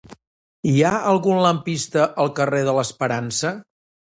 Hi ha algun lampista al carrer de l'Esperança?